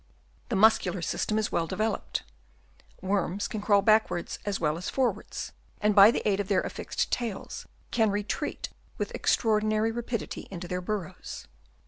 The muscular system is well developed. Worms can crawl backwards as well as forwards, and by the aid of their affixed tails can retreat with extraordinary rapidity into their burrows.